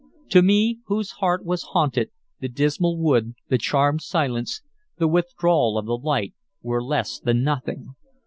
To me, whose heart was haunted, the dismal wood, the charmed silence, the withdrawal of the light, were less than nothing.